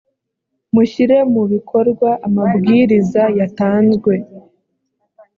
mushyire mu bikorwa amabwiriza yatanzwe.